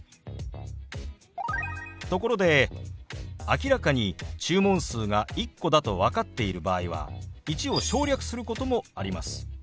ところで明らかに注文数が１個だと分かっている場合は「１」を省略することもあります。